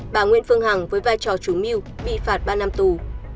bà nguyễn phương hằng với vai trò chủ mưu bị phạt ba năm tù